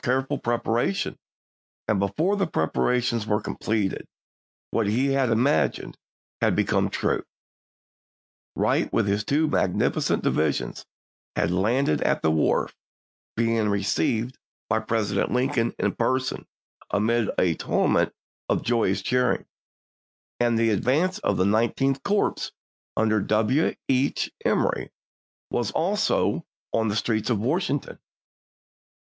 careful preparation, and before the preparations were completed what he had imagined had become true: Wright with his two magnificent divisions had landed at the wharf, being received by Presi Juiyiuse*. dent Lincoln in person amid a tumult of joyous cheering ; and the advance of the Nineteenth Corps under W. H. Emory was also in the streets of Wash ington.